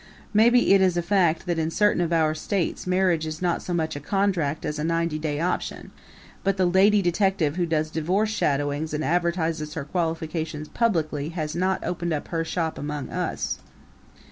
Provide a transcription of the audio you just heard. Maybe it is a fact that in certain of our states marriage is not so much a contract as a ninety day option, but the lady detective who does divorce shadowing and advertises her qualifications publicly has not opened up her shop among us.